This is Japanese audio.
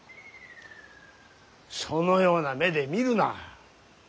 そのような目で見るな。